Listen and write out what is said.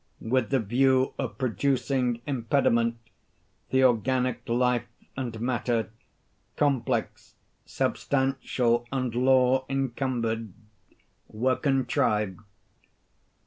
With the view of producing impediment, the organic life and matter, (complex, substantial, and law encumbered,) were contrived.